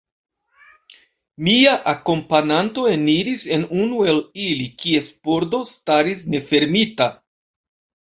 Mia akompananto eniris en unu el ili, kies pordo staris nefermita.